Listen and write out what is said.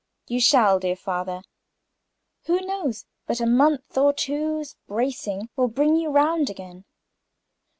"You shall, dear father. Who knows but a month or two's bracing would bring you quite round again?